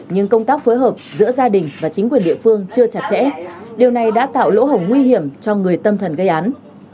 nhưng công tác phối hợp giữa gia đình và chính quyền địa phương chưa chặt chẽ điều này đã tạo lỗ hổng nguy hiểm cho người tâm thần gây án